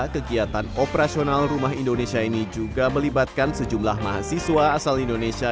kegiatan operasional rumah indonesia ini juga melibatkan sejumlah mahasiswa asal indonesia